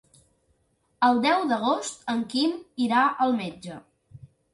El deu d'agost en Quim irà al metge.